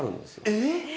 えっ？